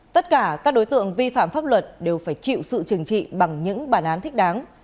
tất cả các đối tượng vi phạm pháp luật đều phải chịu sự trừng trị bằng những bản án thích đáng